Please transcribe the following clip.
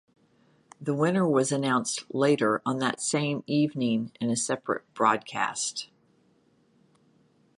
The winner was announced later on that same evening in a separate broadcast.